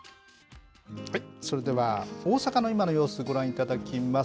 それでは大阪の今の様子、ご覧いただきます。